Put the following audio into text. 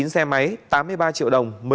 hai mươi chín xe máy tám mươi ba triệu đồng